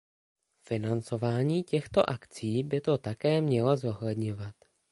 Financování těchto akcí by to také mělo zohledňovat.